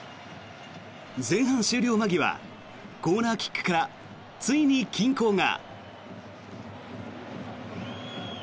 前半終了間際コーナーキックからついに均衡が。